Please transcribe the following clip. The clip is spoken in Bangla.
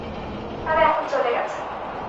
তারা এখন চলে গেছে।